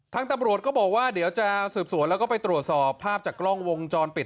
ตำรวจก็บอกว่าเดี๋ยวจะสืบสวนแล้วก็ไปตรวจสอบภาพจากกล้องวงจรปิด